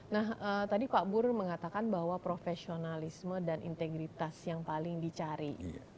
nah tadi pak bur mengatakan bahwa profesionalisme dan integritas yang paling dicari